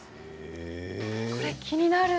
これ、気になる。